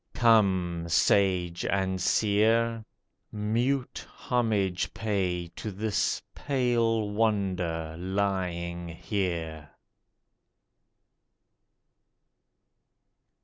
Come, Sage and Seer ! mute homage pay To this Pale Wonder lying here